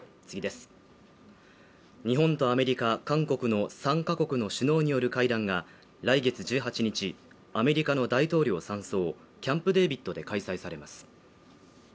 日本とアメリカ、韓国の３か国の首脳による会談が来月１８日アメリカの大統領山荘キャンプ・デービッドで開催されます